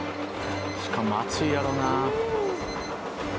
しかも熱いやろな。